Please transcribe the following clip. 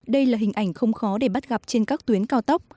đây là hình ảnh không khó để bắt gặp trên các tuyến cao tốc